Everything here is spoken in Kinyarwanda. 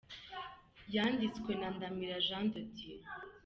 Yandistwe na Ndamira Jean de Dieu